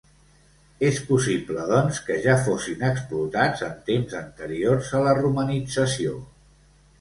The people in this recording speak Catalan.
És possible, doncs, que ja fossin explotats en temps anteriors a la romanització.